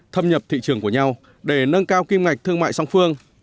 thâm nhập thị trường của nhau để nâng cao kim ngạch thương mại song phương